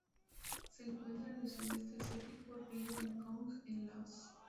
Se encuentra en el Sudeste asiático: río Mekong en Laos.